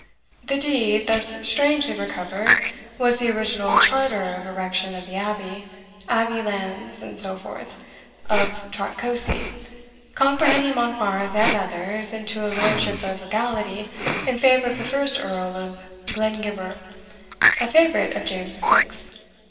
The deed, thus strangely recovered, was the original Charter of Erection of the Abbey, Abbey Lands, and so forth, of Trotcosey, comprehending Monkbarns and others, into a Lordship of Regality in favour of the first Earl of Glengibber, a favourite of James the Sixth.